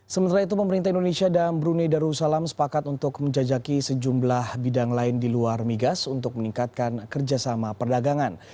sementara itu pemerintah indonesia dan brunei darussalam sepakat untuk menjajaki sejumlah bidang lain di luar migas untuk meningkatkan kerjasama perdagangan